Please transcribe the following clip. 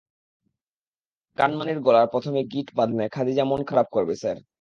কানমাণির গলায় প্রথমে গিট বাঁধলে খাদিজা মন খারাপ করবে, স্যার।